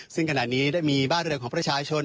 ซึ่งขณะนี้ได้มีบ้านเรือนของประชาชน